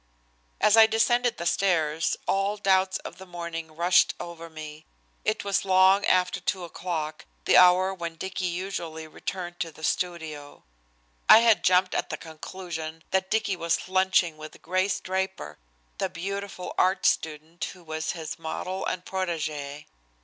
As I descended the stairs all the doubts of the morning rushed over me. It was long after 2 o'clock, the hour when Dicky usually returned to the studio. I had jumped at the conclusion that Dicky was lunching with Grace Draper, the beautiful art student who was his model and protégé.